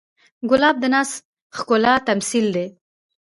ګلاب د ناز ښکلا تمثیل دی.